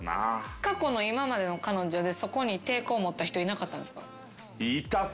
過去の今までの彼女でそこに抵抗持った人いなかったんですか？